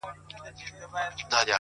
لوړ همت ستړې شېبې زغمي